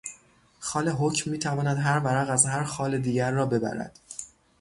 خال حکم میتواند هر ورق از هر خال دیگر را ببرد.